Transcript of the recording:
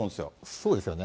そうですよね。